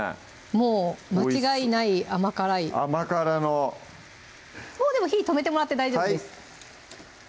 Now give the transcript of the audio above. もう間違いない甘辛い甘辛のもうでも火止めてもらって大丈夫です